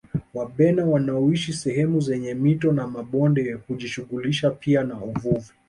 Wabena wanaoshi sehemu zenye mito na mabonde hujishughulisha pia na uvuvi